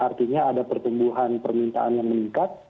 artinya ada pertumbuhan permintaan yang meningkat